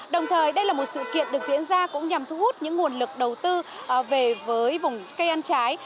đồng thời đây là một sự kiện được diễn ra cũng nhằm thu hút những nguồn lực đầu tư về với vùng cây ăn trái